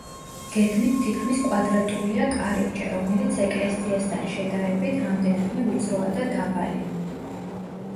გეგმით თითქმის კვადრატულია კარიბჭე, რომელიც ეკლესიასთან შედარებით, რამდენადმე ვიწროა და დაბალი.